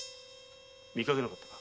見かけなかったか？